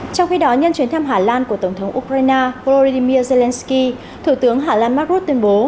trong khi đó nhân chuyến thăm hà lan của tổng thống ukraine volodymyr zelensky thủ tướng hà lan mark rutte tuyên bố